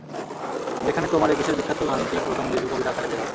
যেখানে তোমার একুশের বিখ্যাত গানটি প্রথম দীর্ঘ কবিতা আকারে বের হয়।